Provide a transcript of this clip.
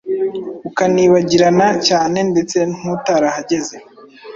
Ukanibagirana cyane ndetse nkutarahageze